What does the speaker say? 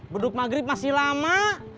beduk maghrib masih lama